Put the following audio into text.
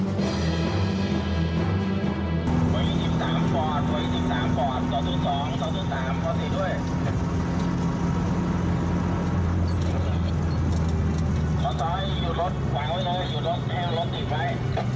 วันที่สามฟอร์ดวันที่สามฟอร์ดต่อที่สองต่อที่สามต่อที่สิ้นด้วย